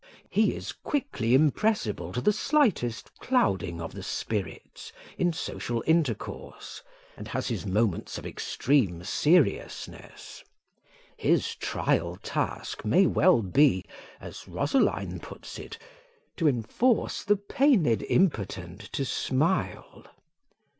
He is quickly impressible to the slightest clouding of the spirits in social intercourse, and has his moments of extreme seriousness: his trial task may well be, as Rosaline puts it To enforce the pained impotent to smile.